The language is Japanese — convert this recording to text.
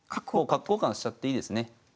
角交換しちゃっていいですね。